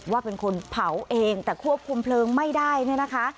ว่าเป็นคนเผาเองแต่ควบคุมเพลิงไม่ได้เนี่ยนะคะ